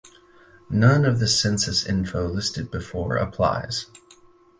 None of the census info listed before applies.